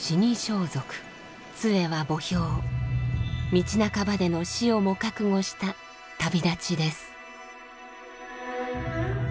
道半ばでの死をも覚悟した旅立ちです。